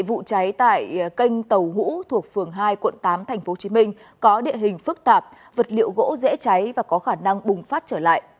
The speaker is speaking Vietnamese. vụ cháy tại kênh tàu hũ thuộc phường hai quận tám tp hcm có địa hình phức tạp vật liệu gỗ dễ cháy và có khả năng bùng phát trở lại